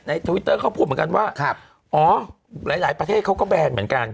ทวิตเตอร์เขาพูดเหมือนกันว่าอ๋อหลายประเทศเขาก็แบนเหมือนกัน